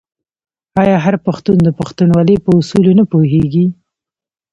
آیا هر پښتون د پښتونولۍ په اصولو نه پوهیږي؟